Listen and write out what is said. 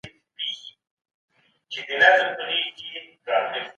د افغانستان د پرمختګ لپاره د ښځو زدهکړه د کورنۍ سکون دی